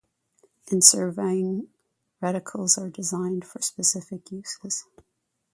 In surveying, reticles are designed for specific uses.